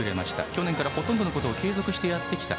去年からほとんどのことを継続してやってきた。